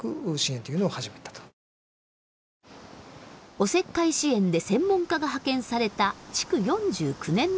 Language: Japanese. おせっかい支援で専門家が派遣された築４９年のマンションです。